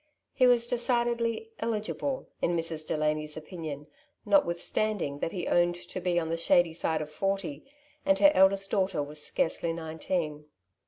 He was decidedly " eligible '^ in Mrs. Delany's opinion, notwithstanding that he owned to be on the shady side of forty, and her eldest daughter was scarcely nineteen.